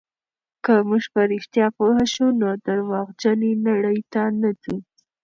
که موږ په رښتیا پوه شو، نو درواغجنې نړۍ ته نه ځو.